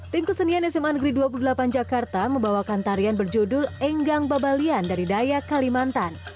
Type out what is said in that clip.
tim kesenian sma negeri dua puluh delapan jakarta membawakan tarian berjudul enggang babalian dari dayak kalimantan